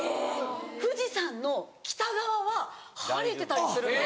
富士山の北側は晴れてたりするんです。